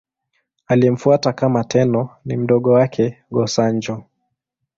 Aliyemfuata kama Tenno ni mdogo wake, Go-Sanjo.